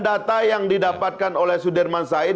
data yang didapatkan oleh sudirman said